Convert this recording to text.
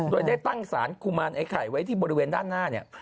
โดยได้ตั้งสารกุมารไอ้ไข่ไว้ที่บริเวณด้านหน้าเนี่ย